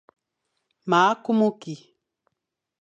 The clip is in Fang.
Ma kumu ki.